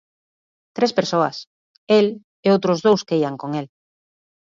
Tres persoas, el e outros dous que ían con el.